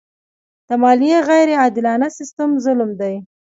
د مالیې غیر عادلانه سیستم ظلم دی.